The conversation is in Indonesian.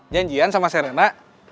janjian sama serena